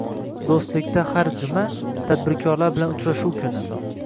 Do‘stlikda har juma – tadbirkorlar bilan uchrashuv kuni